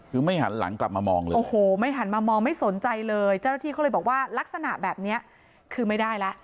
คือไม่หันหลังกลับมามองเลยโอ้โหไม่หันมามองไม่สนใจเลยเจ้าหน้าที่เขาเลยบอกว่าลักษณะแบบนี้คือไม่ได้แล้ว